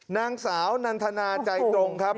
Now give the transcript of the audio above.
นางสาวนันทนาใจตรงครับ